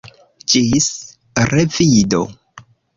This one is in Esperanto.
Ĝis revido.